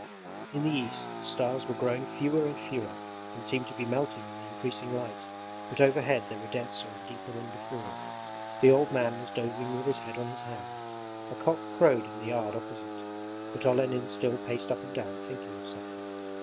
In the east the stars were growing fewer and fewer and seemed to be melting in the increasing light, but overhead they were denser and deeper than before. The old man was dozing with his head on his hand. A cock crowed in the yard opposite, but Olenin still paced up and down thinking of something.